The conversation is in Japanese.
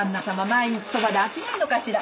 毎日そばで飽きないのかしら？